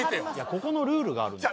ここのルールがあるんだよ